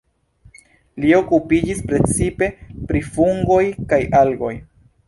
Li okupiĝis precipe pri fungoj kaj algoj.